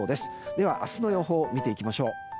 では明日の予報を見ていきましょう。